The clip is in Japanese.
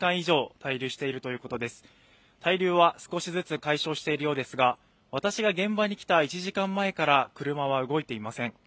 滞留は少しずつ解消しているようですが私が現場に来た１時間前から車は動いていません。